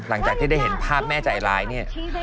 หลังจากที่ได้เห็นภาพแม่ใจร้ายเนี่ย